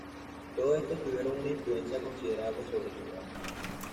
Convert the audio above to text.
Todos estos tuvieron una influencia considerable sobre su trabajo.